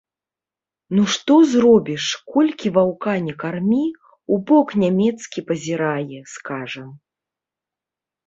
Ну што зробіш, колькі ваўка не кармі, у бок нямецкі пазірае, скажам.